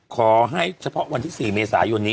ขอให้เฉพาะวันที่๔เมษายุนนี้